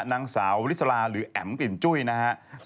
นางสาวลิสลาหรือแอ๋มกลิ่นจุ้ยนะครับ